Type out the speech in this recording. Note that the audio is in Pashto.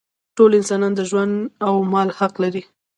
ټول انسانان د ژوند او مال حق لري.